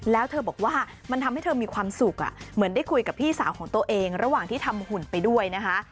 แล้วเธอบอกว่ามันทำให้เธอมีความสุขเหมือนได้คุยกับพี่สาวของตัวเองระหว่างที่ทำหุ่นไปด้วยนะคะ